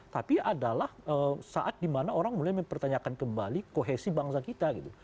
tapi adalah saat dimana orang mulai mempertanyakan kembali kohesi bangsa kita gitu